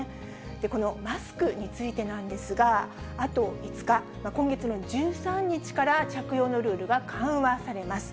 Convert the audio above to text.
このマスクについてなんですが、あと５日、今月の１３日から着用のルールが緩和されます。